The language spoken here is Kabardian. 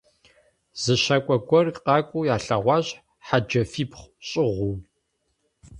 Зы щакӀуэ гуэр къакӀуэу ялъэгъуащ, хьэджафибгъу щӀыгъуу.